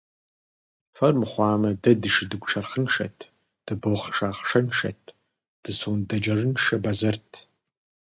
Фэр мыхъуамэ, дэ дышыдыгу шэрхъыншэт, дыбохъшэ ахъшэншэт, дысондэджэрыншэ бэзэрт…